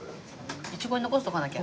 イチゴに残しとかなきゃ。